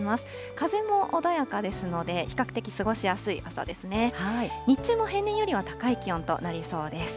風も穏やかですので、比較的過ごしやすい朝ですね。